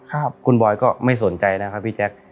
ครับคุณบอยก็ไม่สนใจนะครับพี่แจ๊ค